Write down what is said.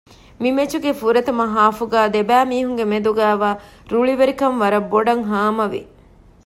މި މެޗުގެ ފުރަތަމަ ހާފުގައި ދެބައި މީހުންގެ މެދުގައިވާ ރުޅިވެރިކަން ވަރަށް ބޮޑަށް ހާމަވި